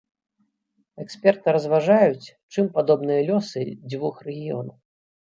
Эксперты разважаюць, чым падобныя лёсы двух рэгіёнаў.